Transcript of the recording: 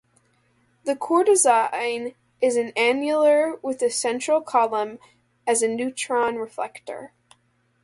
The core design is annular with a centre column as a neutron reflector.